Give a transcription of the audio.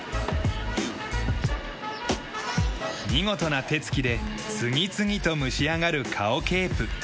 見事な手つきで次々と蒸し上がるカオケープ。